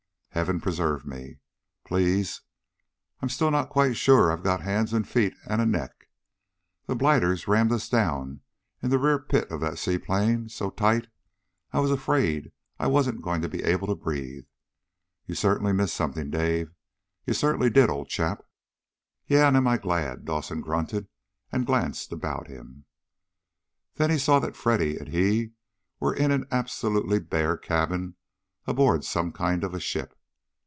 Heaven preserve me, please! I'm still not quite sure that I've got hands, and feet, and a neck. The blighters rammed us down in the rear pit of that seaplane so tight I was afraid I wasn't going to be able to breathe. You certainly missed something, Dave! You certainly did, old chap!" "Yeah, and am I glad!" Dawson grunted, and glanced about him. It was then he saw that Freddy and he were in an absolutely bare cabin aboard some kind of a ship.